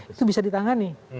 itu bisa ditangani